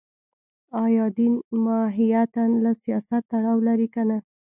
ایا دین ماهیتاً له سیاست تړاو لري که نه